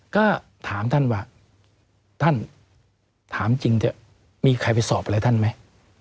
ก็ถามท่านว่าท่านถามจริงเถอะมีใครไปสอบอะไรท่านไหม